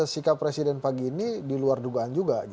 sikap presiden pagi ini di luar dugaan juga